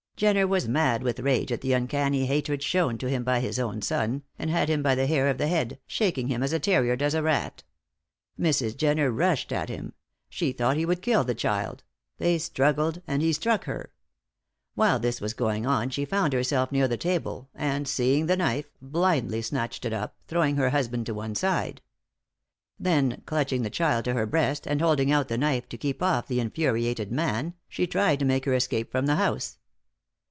Jenner was mad with rage at the uncanny hatred shewn to him by his own son, and had him by the hair of the head, shaking him as a terrier does a rat. Mrs. Jenner rushed at him she thought he would kill the child they struggled, and he struck her. While this was going on she found herself near the table, and seeing the knife, blindly snatched it up, throwing her husband to one side. Then, clutching the child to her breast and holding out the knife to keep off the infuriated man, she tried to make her escape from the house.